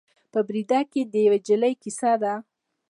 په بریده کې د یوې نجلۍ کیسه ده.